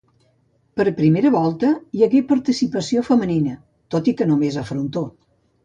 Per primera volta, hi hagué participació femenina, tot i que només a frontó.